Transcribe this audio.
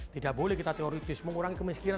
tidak boleh kita teoritis mengurangi kemiskinan